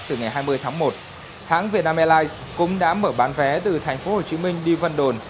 từ ngày hai mươi tháng một hãng vietnam airlines cũng đã mở bán vé từ thành phố hồ chí minh đi vân đồn